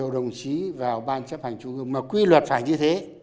đồng chí vào ban chấp hành trung ương mà quy luật phải như thế